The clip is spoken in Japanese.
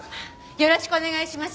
よろしくお願いします。